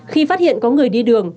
khi phát hiện có người đi đường